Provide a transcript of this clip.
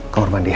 kamar mandi ya